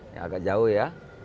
ya agak jauh ya